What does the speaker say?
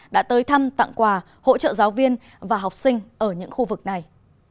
đã tới thăm tặng quà hỗ trợ giáo viên và học sinh ở những khu vực này